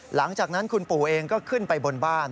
หลังจากนั้นคุณปู่เองก็ขึ้นไปบนบ้าน